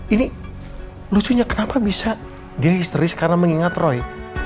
ini lucunya kenapa bisa dia histeris karena mengingat roy